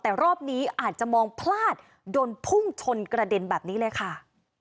แต่รอบนี้อาจจะมองพลาดโดนพุ่งชนกระเด็นแบบนี้เลยค่ะ